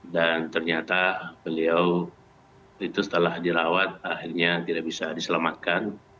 dan ternyata beliau itu setelah dirawat akhirnya tidak bisa diselamatkan